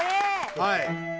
はい。